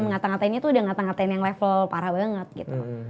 ngata ngatainnya tuh udah ngata ngatain yang level parah banget gitu